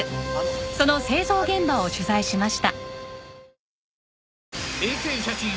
その製造現場を取材しました。